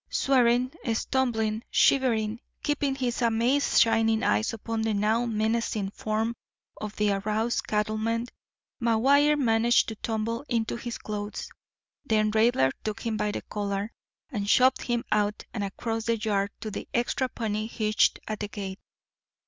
Swearing, stumbling, shivering, keeping his amazed, shining eyes upon the now menacing form of the aroused cattleman, McGuire managed to tumble into his clothes. Then Raidler took him by the collar and shoved him out and across the yard to the extra pony hitched at the gate.